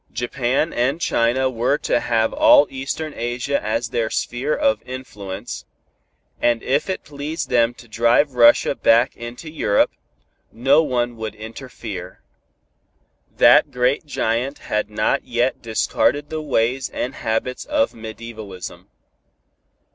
Japan and China were to have all Eastern Asia as their sphere of influence, and if it pleased them to drive Russia back into Europe, no one would interfere. That great giant had not yet discarded the ways and habits of medievalism.